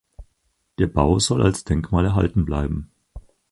Der Bau soll als Denkmal erhalten bleiben.